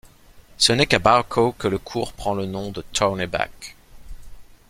Ce n'est qu'à Barkow que le cours prend le nom de Torneybach.